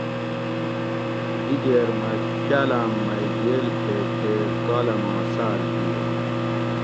دِگیر مٞہ کاٞلاٞم مئ گیل کھیگ تے کالماں ساٞل کِیر